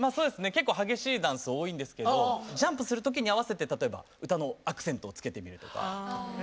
結構激しいダンス多いんですけどジャンプする時に合わせて例えば歌のアクセントをつけてみるとか。